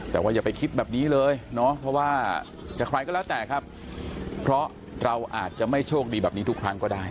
แต่ว่าอย่าไปคิดแบบนี้เลยเนาะเพราะว่าจะใครก็แล้วแต่ครับเพราะเราอาจจะไม่โชคดีแบบนี้ทุกครั้งก็ได้